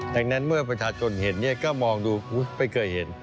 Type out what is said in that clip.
ดังนั้นเมื่อประชาชนเห็นก็มองดูไม่เคยเห็น